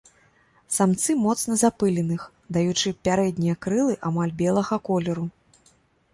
Самцы моцна запыленых, даючы пярэднія крылы амаль белага колеру.